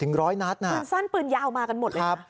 ปืนสั้นปืนยาวมากันหมดเลยครับ